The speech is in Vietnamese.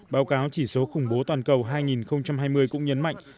báo cáo chỉ số khủng bố toàn cầu hai nghìn hai mươi cũng nhấn mạnh